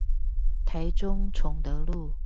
台中崇德路